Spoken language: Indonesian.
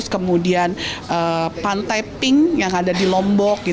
kemudian pantai pink yang ada di lombok